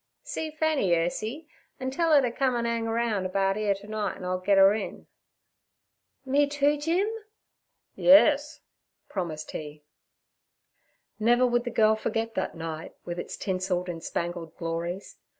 'See Fanny, Ursie, an' tell 'er ter come an' 'ang roun' about 'ere ter night, an' I'll git 'er in.' 'Me too, Jim?' 'Yerz' promised he. Never would the girl forget that night, with its tinselled and spangled glories.